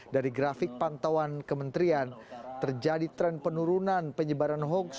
dari grafik pantauan kementerian terjadi tren penurunan penyebaran hoax